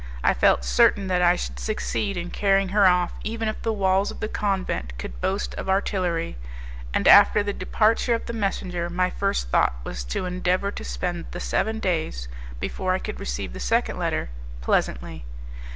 I felt certain that I should succeed in carrying her off even if the walls of the convent could boast of artillery, and after the departure of the messenger my first thought was to endeavour to spend the seven days, before I could receive the second letter, pleasantly.